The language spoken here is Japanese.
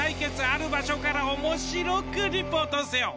ある場所からおもしろくリポートせよ！